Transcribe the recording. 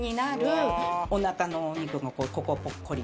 お腹のお肉もここぽっこり。